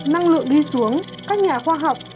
năng lượng đi xuống các nhà khoa học